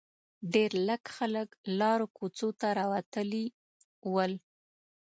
ډېر لږ خلک لارو کوڅو ته راوتلي ول.